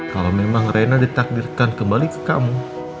kalau memang reina ditakdirkan kembali ke kamu